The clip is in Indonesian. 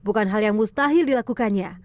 bukan hal yang mustahil dilakukannya